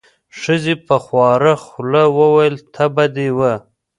ښځې په خواره خوله وویل: تبه دې وه.